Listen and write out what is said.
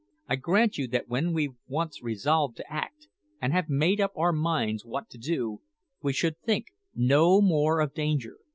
I grant you that when we've once resolved to act, and have made up our minds what to do, we should think no more of danger.